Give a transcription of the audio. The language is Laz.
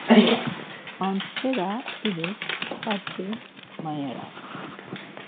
Antsera iris xadzi mayeran.